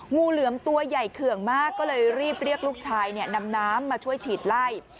งูเหลือมตัวใหญ่เขื่องมากก็เลยรีบเรียกลูกชายนำน้ำมาช่วยฉีดไล่